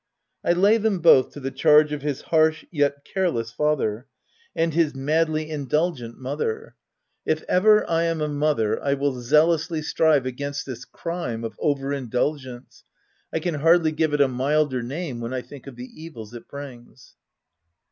I lay them both to the charge of his harsh yet careless father and his madly indul 120 THE TENANT gent mother. If ever I am a mother I will zealously strive against this crime of over in dulgence — I can hardly give it a milder name when I think of the evils it brings.